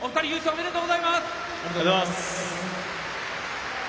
ありがとうございます。